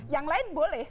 yang lain boleh